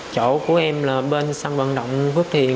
chỗ của em là bên sân bận động phước thiền